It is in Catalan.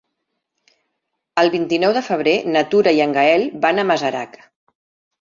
El vint-i-nou de febrer na Tura i en Gaël van a Masarac.